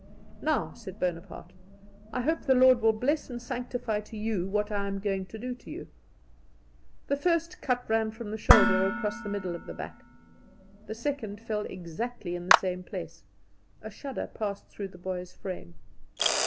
"Now," said Bonaparte, "I hope the Lord will bless and sanctify to you what I am going to do to you." The first cut ran from the shoulder across the middle of the back; the second fell exactly in the same place. A shudder passed through the boy's frame.